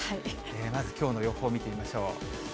まず、きょうの予報を見てみましょう。